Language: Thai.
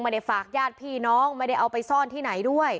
ไม่ได้ฝากญาติพี่น้องไม่ได้เอาไปซ่อนที่ไหนด้วย